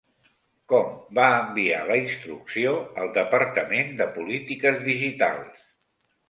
Com va enviar la instrucció el Departament de Polítiques Digitals?